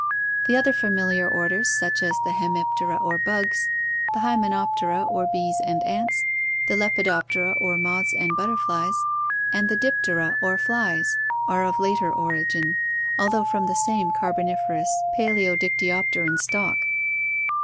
The other familiar orders such as the Hemiptera or bugs, the Hymenoptera or bees and ants, the Lepidoptera or moths and butterflies, and the Diptera or flies, are of later origin, al though from the same Car boniferous Palaeodfctyopteran stock.